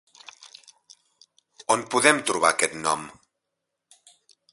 On podem trobar aquest nom?